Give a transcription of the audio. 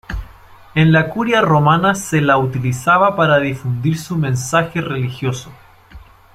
En la curia romana se la utilizaba para difundir su mensaje religioso.